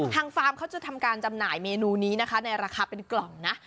ฟาร์มเขาจะทำการจำหน่ายเมนูนี้นะคะในราคาเป็นกล่องนะ